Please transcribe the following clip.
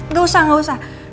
nggak usah nggak usah